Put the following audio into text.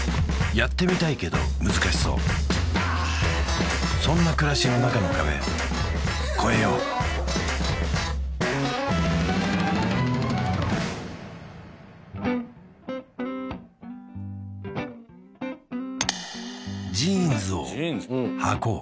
やってみたいけど難しそうそんな暮らしの中の壁越えようジーンズを穿こう